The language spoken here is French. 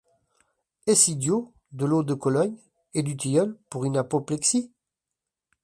Est-ce idiot ? de l’eau de Cologne et du tilleul pour une apoplexie !…